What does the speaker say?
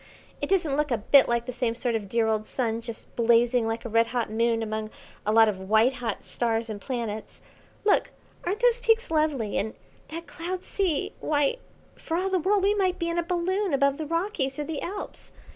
It doesn't look a bit like the same sort of dear old Sun just blazing like a red hot Moon among a lot of white hot stars and planets. Look, aren't those peaks lovely, and that cloud sea? why, for all the world we might be in a balloon above the Rockies or the Alps.